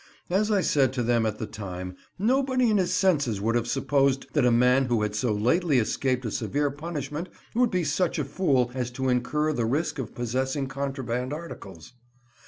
As I said to them at the time, nobody in his senses would have supposed that a man who had so lately escaped a severe punishment would be such a fool as to incur the risk of possessing contraband articles.